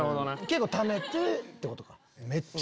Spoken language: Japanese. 結構ためてってことか。